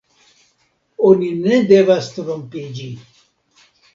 Oni ne devas trompiĝi.